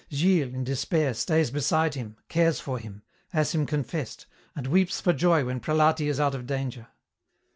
Gilles, in despair, stays beside him, cares for him, has him confessed, and weeps for joy when Prelati is out of danger.